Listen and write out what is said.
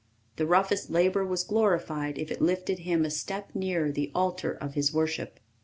The roughest labour was glorified if it lifted him a step nearer the altar of his worship.